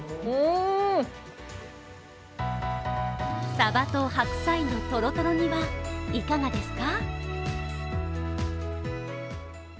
さばと白菜のとろとろ煮はいかがですか？